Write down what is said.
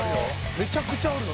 めちゃくちゃあるぞ